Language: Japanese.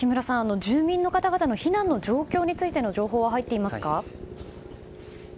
住民の方々の避難の状況について情報は入っていますか？